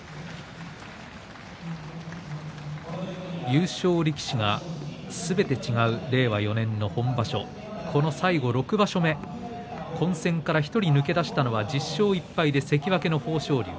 優勝力士がすべて違う令和４年の本場所この最後の６場所目混戦から１人抜け出したのが１０勝１敗、豊昇龍。